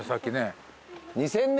２，０００年？